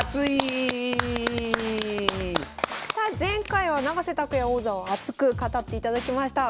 さあ前回は永瀬拓矢王座をアツく語っていただきました。